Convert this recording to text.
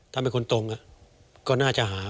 ถ้าเป็นคนตรงก็น่าจะหา